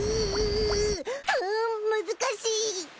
うん難しい！